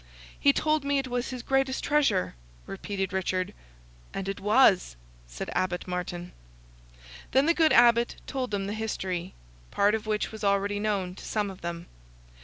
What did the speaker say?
"He told me it was his greatest treasure!" repeated Richard. "And it was!" said Abbot Martin. Then the good Abbot told them the history, part of which was already known to some of them.